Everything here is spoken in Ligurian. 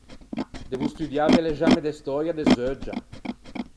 Devo studiâ pe l’examme de stöia de zeuggia.